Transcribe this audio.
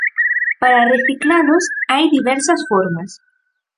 Para reciclalos hai diversas formas.